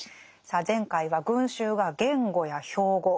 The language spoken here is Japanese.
さあ前回は群衆は言語や標語